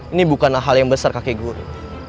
ini bukanlah hal yang besar kakek guru